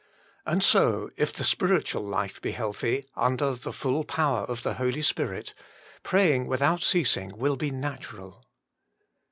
And so, if the spiritual life be healthy, under the full power of the Holy Spirit, praying without ceasing will be natural.